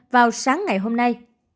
vào sáng ngày hôm nay